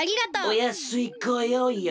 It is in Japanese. おやすいごようよ！